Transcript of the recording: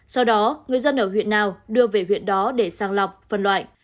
sau đó người dân ở huyện nào đưa về huyện đó để sang lọc phân loại